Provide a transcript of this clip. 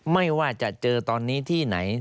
ไม่ว่าจะเจอตอนนี้ที่ไหน